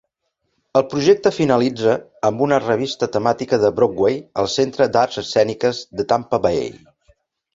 El projecte finalitza amb una revista temàtica de Broadway al Centre d'Arts Escèniques de Tampa Bay.